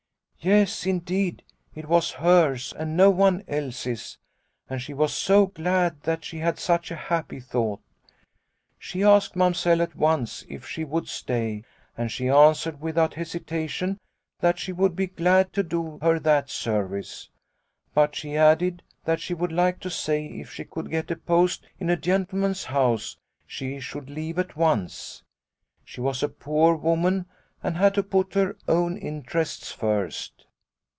" Yes, indeed it was hers and no one else's, and she was so glad that she had had such a happy thought. She asked Mamsell at once if she would stay, and she answered without hesitation that she would be glad to do her that Snow White 47 service. But, she added, that she would like to say if she could get a post in a gentleman's house, she should leave at once. She was a poor woman and had to put her own interests first.